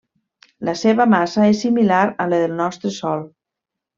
La seva massa és similar a la del nostre Sol.